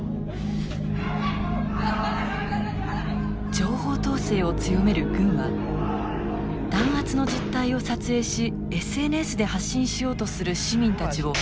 情報統制を強める軍は弾圧の実態を撮影しＳＮＳで発信しようとする市民たちを狙い撃ち。